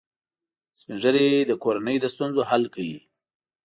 سپین ږیری د کورنۍ د ستونزو حل کوي